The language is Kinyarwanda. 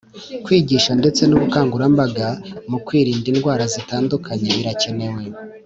Kwigisha ndetse n ubukangurambaga mu kwirinda indwara zitandura birakenewe